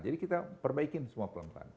jadi kita perbaikin semua kelompok